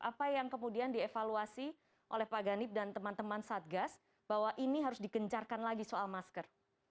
apa yang kemudian dievaluasi oleh pak ganip dan teman teman satgas bahwa ini harus dikencarkan lagi soal masker